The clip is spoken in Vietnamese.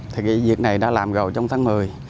thì cái việc này đã làm rồi trong tháng một mươi